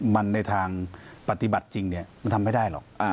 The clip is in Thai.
มันในทางปฏิบัติจริงมันทำไม่ได้หรอก